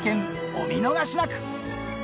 お見逃しなく！